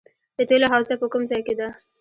د تیلو حوزه په کوم ځای کې ده؟